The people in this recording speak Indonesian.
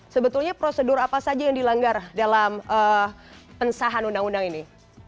sebetulnya prosedur apa saja yang dilanggar dalam pensahan undang undang ini